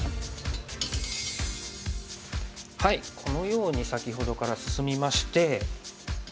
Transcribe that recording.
このように先ほどから進みまして。